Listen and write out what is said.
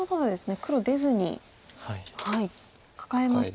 黒出ずにカカえました。